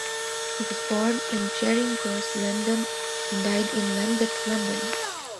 He was born in Charing Cross, London and died in Lambeth, London.